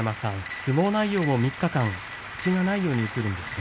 相撲内容も３日間、隙がないように映るんですが。